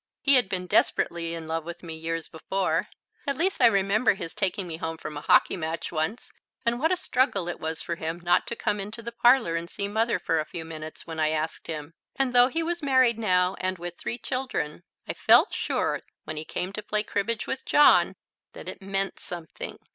He had been desperately in love with me years before at least I remember his taking me home from a hockey match once, and what a struggle it was for him not to come into the parlour and see Mother for a few minutes when I asked him; and, though he was married now and with three children, I felt sure when he came to play cribbage with John that it meant something.